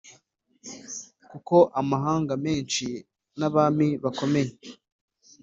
Kuko amahanga menshi n abami bakomeye